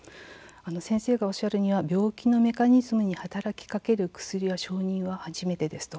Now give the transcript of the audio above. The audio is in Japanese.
先生がおっしゃるには病気のメカニズムに働きかける薬の承認は初めてです。